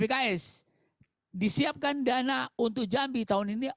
pks disiapkan dana untuk jambi tahun ini